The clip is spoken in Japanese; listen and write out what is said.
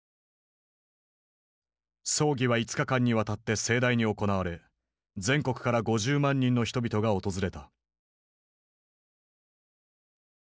葬儀は５日間にわたって盛大に行われ全国から５０万人の人々が訪れた。